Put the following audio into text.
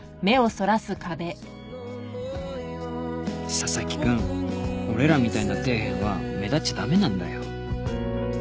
佐々木君俺らみたいな底辺は目立っちゃ駄目なんだよ